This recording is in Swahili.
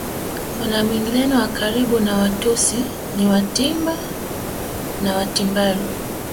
Wana mwingiliano wa karibu na Watutsi ni Watimba na Watimbaru